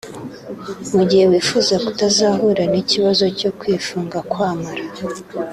Mu gihe wifuza kutazahura n’ikibazo cyo kwifunga kw’amara